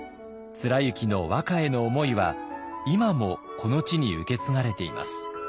貫之の和歌への思いは今もこの地に受け継がれています。